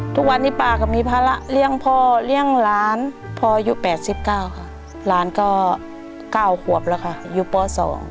ทุกวันนี้ป้าก็มีภาระเลี้ยงพ่อเลี้ยงหลานพ่ออายุ๘๙ค่ะหลานก็๙ขวบแล้วค่ะอยู่ป๒